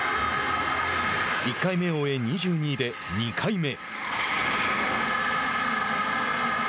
１回目を終え２２位で２回目。